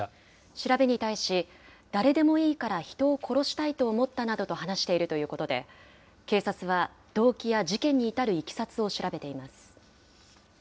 調べに対し、誰でもいいから人を殺したいと思ったなどと話しているということで、警察は動機や事件に至るいきさつを調べてい